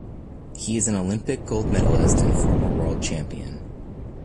He is an Olympic gold medalist and former world champion.